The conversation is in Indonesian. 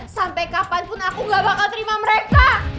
sampai kapanpun aku gak bakal terima mereka